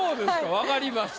わかりました。